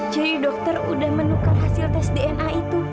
jadi dokter sudah menukar hasil tes dna itu